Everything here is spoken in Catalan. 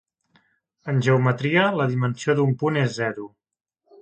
En geometria, la dimensió d'un punt és zero.